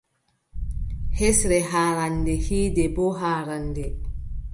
Hesre haarannde, hiinde boo haarannde.